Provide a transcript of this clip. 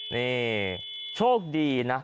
นี่โชคดีครับ